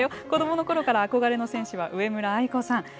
子どものころから憧れの選手は上村愛子さん。